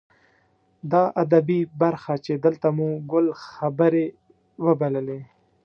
دا ادبي برخه چې دلته مو ګل خبرې وبللې.